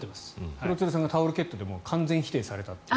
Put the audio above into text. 廣津留さんがタオルケットで完全否定されたという。